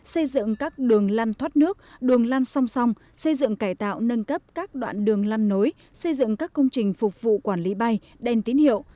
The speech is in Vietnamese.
xây dựng các đường lăn thoát nước đường lăn song song xây dựng cải tạo nâng cấp các đoạn đường lăn nối xây dựng các công trình phục vụ quản lý bay đèn tín hiệu